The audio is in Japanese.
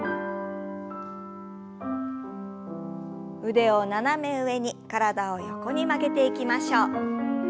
腕を斜め上に体を横に曲げていきましょう。